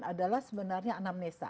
adalah sebenarnya anamnesa